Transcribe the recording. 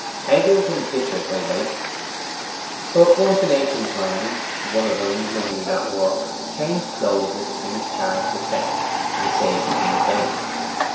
'Hedgers and ditchers by rights. But once in ancient times one of 'em, when he was at work, changed clothes with King Charles the Second, and saved the king's life.